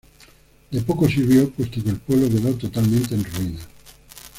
De poco sirvió, puesto que el pueblo quedó totalmente en ruinas.